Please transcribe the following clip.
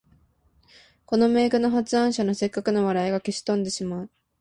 この名句の発案者の折角の笑いが消し飛んでしまう